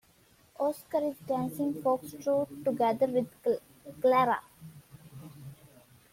Oscar is dancing foxtrot together with Clara.